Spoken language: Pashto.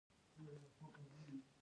په جرم تورن کیدل او توقیف کیدل.